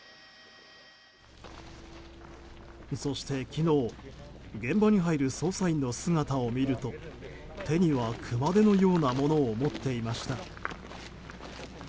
そして、昨日現場に入る捜査員の姿を見ると手には熊手のようなものを持っていました。